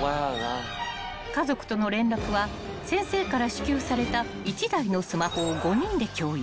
［家族との連絡は先生から支給された１台のスマホを５人で共有］